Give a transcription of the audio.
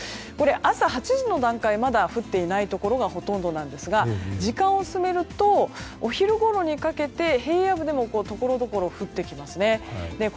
朝８時の段階、まだ降っていないところがほとんどですが時間を進めるとお昼ごろにかけて平野部でもところどころ降ってきますね。